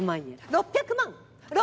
６００万。